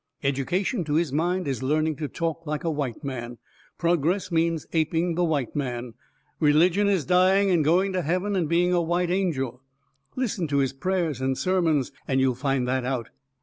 Education, to his mind, is learning to talk like a white man. Progress means aping the white man. Religion is dying and going to heaven and being a WHITE angel listen to his prayers and sermons and you'll find that out.